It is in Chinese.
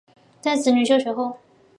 在子女就学后